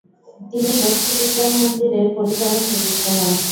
তিনি বসু বিজ্ঞান মন্দিরের পরিচালক নিযুক্ত হন।